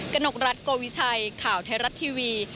กนกรัฐโกวิชัยข่าวไทยรัฐทีวี